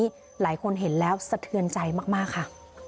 หลายคนเห็นแล้วสะเทือนใจมากค่ะ